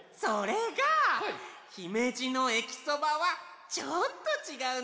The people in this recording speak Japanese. それがひめじのえきそばはちょっとちがうんだな。